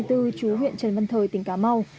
trú huyện trần văn thời tỉnh cá mau